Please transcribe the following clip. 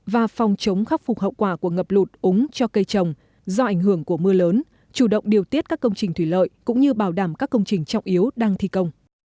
và phòng chống khắc phục hậu quả của ngập lụt úng cho cây trồng do ảnh hưởng của mưa lớn chủ động điều tiết các công trình thủy lợi cũng như bảo đảm các công trình trọng yếu đang thi công